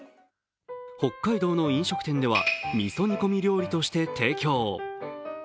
北海道の飲食店では、みそ煮込み料理として提供。